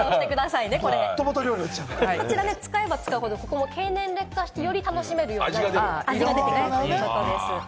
使えば使うほど経年劣化してより楽しめる、味が出てくるということです。